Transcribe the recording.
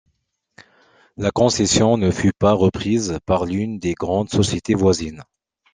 La concession ne fut pas reprise par l'une des grandes sociétés voisines.